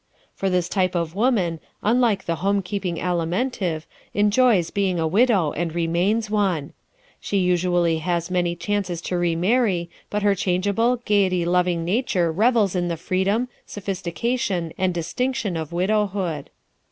For this type of woman, unlike the home keeping Alimentive, enjoys being a widow and remains one. She usually has many chances to remarry but her changeable, gaiety loving nature revels in the freedom, sophistication and distinction of widowhood.